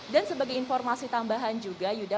dan sebagai informasi tambahan juga yuda